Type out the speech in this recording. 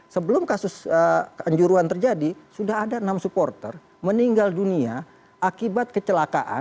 sebelum kasus kanjuruhan terjadi sudah ada enam supporter meninggal dunia akibat kecelakaan